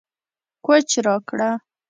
کوچ راکړه